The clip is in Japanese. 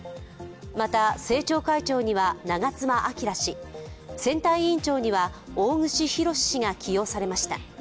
また、政調会長には長妻昭氏、選対委員長には大串博志衆院議員が起用されました。